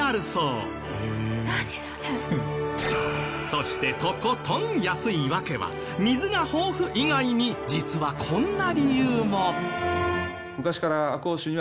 そしてとことん安い訳は水が豊富以外に実はこんな理由も。